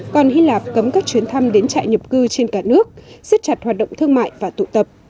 còn hy lạp cấm các chuyến thăm đến trại nhập cư trên cả nước xếp chặt hoạt động thương mại và tụ tập